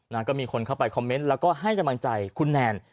นะก็มีคนเข้าไปคอมเมนต์แล้วก็ให้กำลังใจคุณแนน